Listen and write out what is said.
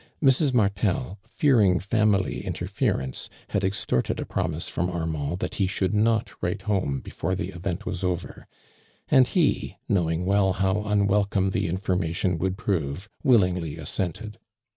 Mrs. Martel fearing family interfe rence, had extorted a promise from Armand that he should not write home before the event was over, and he, knowing well how unwelcome the information would prove, willingly assented.